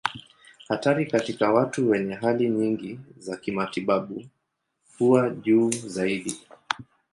Hatari katika watu wenye hali nyingi za kimatibabu huwa juu zaidi.